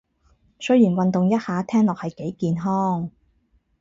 雖然運動一下聽落係幾健康